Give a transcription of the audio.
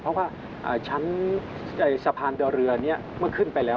เพราะว่าชั้นสะพานดอเรือนี้เมื่อขึ้นไปแล้ว